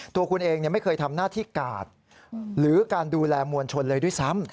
ตัวคุณเองไม่เคยทำหน้าที่กาดหรือการดูแลมวลชนเลยด้วยซ้ำ